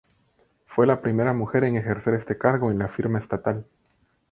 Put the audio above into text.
Fue la primera mujer en ejercer este cargo en la firma estatal.